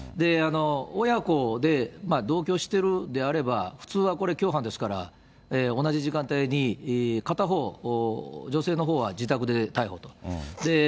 親子で同居しているのであれば、普通はこれ、共犯ですから、同じ時間帯に片方、女性のほうは自宅で逮捕と。